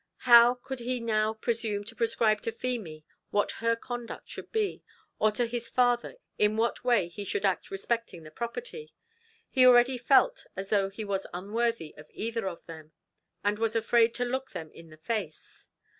How could he now presume to prescribe to Feemy what her conduct should be, or to his father in what way he should act respecting the property? He already felt as though he was unworthy of either of them, and was afraid to look them in the face.